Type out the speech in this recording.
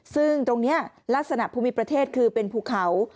ซึ่งตรงนี้ลักษณะภูมิประเทศคือเป็นภูเขา